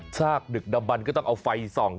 ชากดึกดำบันก็ต้องเอาไฟส่อง